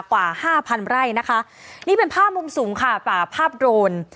กว่าห้าพันไร่นะคะนี่เป็นภาพมุมสูงค่ะป่าภาพโดรน